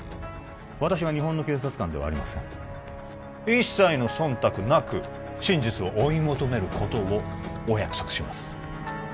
私は日本の警察官ではありません一切の忖度なく真実を追い求めることをお約束します